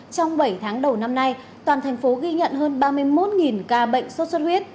trong bảy tháng đầu năm nay toàn thành phố ghi nhận hơn ba mươi một ca bệnh sốt xuất huyết